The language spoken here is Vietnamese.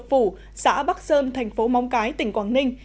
phủ xã bắc sơn thành phố móng cái tỉnh quảng ninh